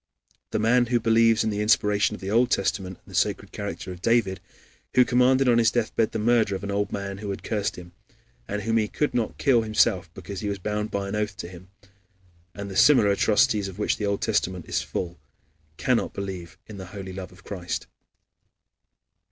The man who believes in the inspiration of the Old Testament and the sacred character of David, who commanded on his deathbed the murder of an old man who had cursed him, and whom he could not kill himself because he was bound by an oath to him, and the similar atrocities of which the Old Testament is full, cannot believe in the holy love of Christ.